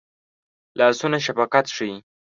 لاسونه شفقت ښيي